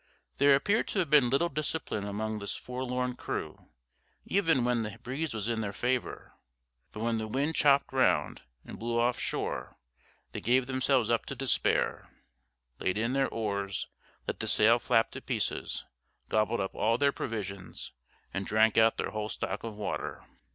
There appeared to have been little discipline among this forlorn crew, even when the breeze was in their favour; but when the wind chopped round, and blew off shore, they gave themselves up to despair, laid in their oars, let the sail flap to pieces, gobbled up all their provisions, and drank out their whole stock of water.